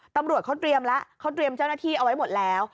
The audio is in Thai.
ตำรวจเขาเตรียมแล้วเขาเตรียมเจ้าหน้าที่เอาไว้หมดแล้ว